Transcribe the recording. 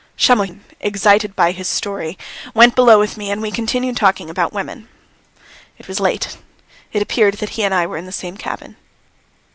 Shamohin, excited by his story, went below with me and we continued talking about women. It was late. It appeared that he and I were in the same cabin.